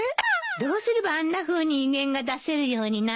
どうすればあんなふうに威厳が出せるようになるの？